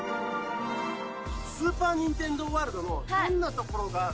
スーパー・ニンテンドー・ワールドのどんなところが好きなんですか？